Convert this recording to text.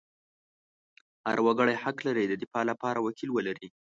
هر وګړی حق لري د دفاع لپاره وکیل ولري.